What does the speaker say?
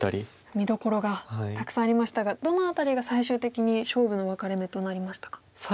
見どころがたくさんありましたがどの辺りが最終的に勝負の分かれ目となりましたか。